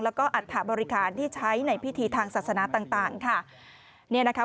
แล้วก็อัตถาบริการที่ใช้ในพิธีทางศาสนาต่างค่ะ